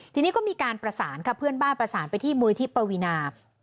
ทีนี้ก็มีการประสานค่ะเพื่อนบ้านประสานไปที่มูลนิธิปวีนา